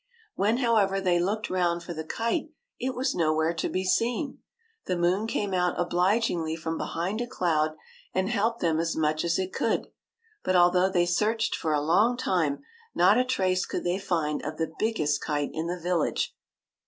. When, however, they looked round for the kite, it was nowhere to be seen. The moon came out obligingly from behind a cloud and helped them as much as it could ; but although they searched for a long time, not a trace could they find of the biggest kite in the village.